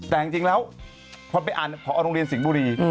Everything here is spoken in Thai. แต่จริงแล้วพอไปอ่านพอโรงเรียนสิงห์บุรี